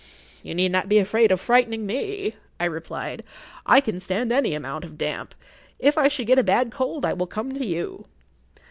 "You need not be afraid of frightening me," I replied. "I can stand any amount of damp. If I should get a bad cold I will come to you."